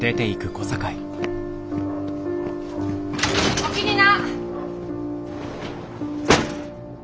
おおきにな！